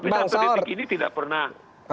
tapi saat petik ini tidak pernah